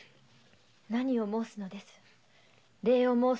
何を申すのです。